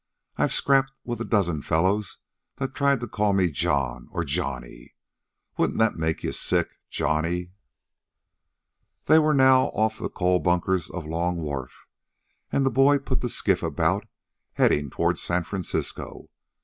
I've scrapped with a dozen fellows that tried to call me John, or Johnnie wouldn't that make you sick? Johnnie!" They were now off the coal bunkers of Long Wharf, and the boy put the skiff about, heading toward San Francisco.